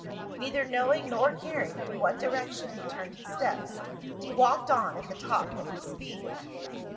Neither knowing nor caring in what direction he turned his steps, he walked on at the top of his speed.